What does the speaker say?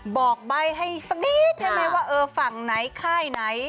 บอกใบให้สักนิดได้ไหมว่าเออฝั่งไหนค่ายไหน